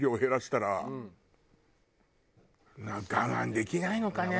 我慢できないのかね。